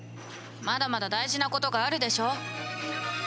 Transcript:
まだまだ大事なことがあるでしょ？